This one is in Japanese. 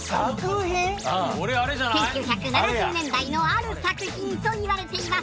１９７０年代のある作品といわれています。